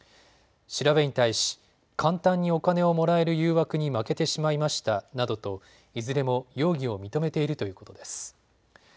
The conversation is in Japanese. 調べに対し簡単にお金をもらえる誘惑に負けてしまいましたなどといずれも容疑を認めているということです。